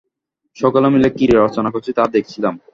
সকলে মিলে কী রচনা করছে তাই দেখছিলাম।